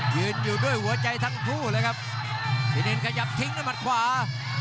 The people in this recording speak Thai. ยืนอยู่ด้วยหัวใจทั้งคู่เลยครับพี่เนนขยับทิ้งด้วยมัดขวา